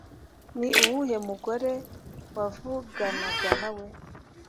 Ni uwuhe mugore wavuganaga nawe